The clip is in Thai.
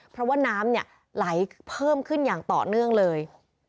เพราะว่าน้ำไหลเพิ่มขึ้นอย่างต่อเนื่องเลย